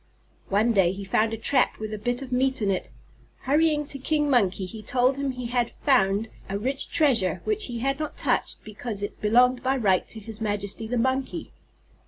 One day he found a trap with a bit of meat in it. Hurrying to King Monkey, he told him he had found a rich treasure, which he had not touched because it belonged by right to his majesty the Monkey.